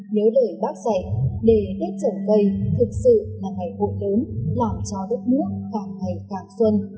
nếu đời bác dạy để tết trồng cây thực sự là ngày hội đốn làm cho đất nước càng ngày càng xuân